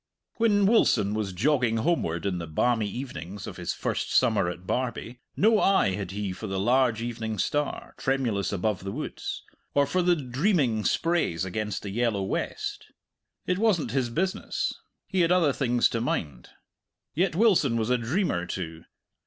When Wilson was jogging homeward in the balmy evenings of his first summer at Barbie, no eye had he for the large evening star, tremulous above the woods, or for the dreaming sprays against the yellow west. It wasn't his business; he had other things to mind. Yet Wilson was a dreamer too.